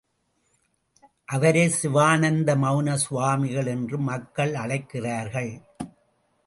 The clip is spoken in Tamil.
அவரை சிவானந்த மௌன சுவாமிகள் என்று மக்கள் அழைக்கிறார்கள்.